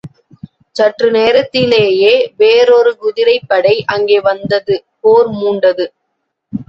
சற்று நேரத்திலேயே வேறொரு குதிரைப்படை அங்கே வந்தது போர் மூண்டது.